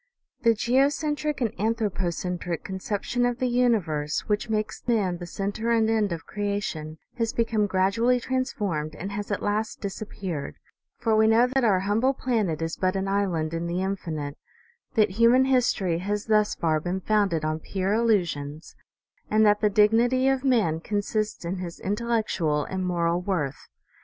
The geocentric and anthropocentric conception of the universe, which makes man the center and end of creation, has become grad ually transformed and has at last disappeared ; for we know that our humble planet is but an island in the infi nite, that human history has thus far been founded on pure illusions, and that the dignity of man consists in his intellectual and moral worth.